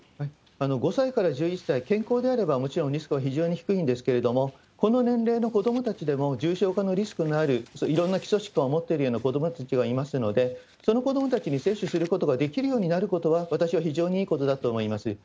５歳から１１歳、健康であればもちろんリスクは非常に低いんですけれども、この年齢の子どもたちでも重症化のリスクのある、いろんな基礎疾患を持っているような子どもたちがいますので、その子どもたちに接種することができるようになることは、私は非常にいいことだと思います。